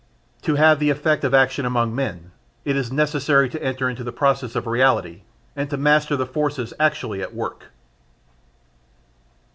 To have the effect of action among men, it is necessary to enter into the process of reality and to master the forces actually at work.